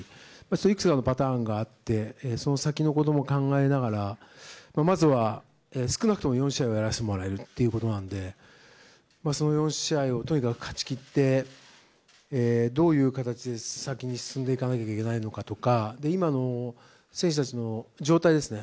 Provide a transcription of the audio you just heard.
いくつかのパターンがあってその先のことも考えながらまずは少なくとも４試合はやらせてもらえるのでその４試合をとにかく勝ち切ってどういう形で先に進んでいかなければいけないのかとか今の選手たちの状態ですね。